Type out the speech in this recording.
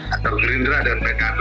atar gerindra dan pkb